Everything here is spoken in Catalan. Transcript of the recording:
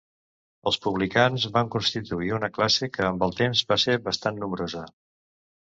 Els publicans van constituir una classe que amb el temps va ser bastant nombrosa.